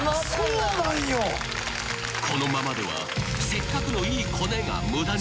［このままではせっかくのいい］